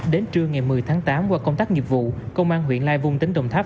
đến trưa ngày một mươi tháng tám qua công tác nghiệp vụ công an huyện lai vung tỉnh đồng tháp